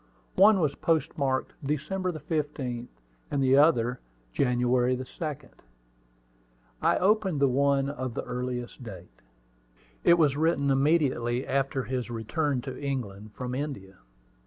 One was postmarked December 15th, and the other January 2d. I opened the one of the earliest date. It was written immediately after his return to England from India.